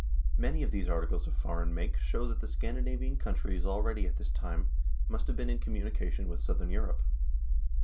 Many of these articles of foreign make show that the Scandinavian countries already at this time must have been in communication with southern Europe.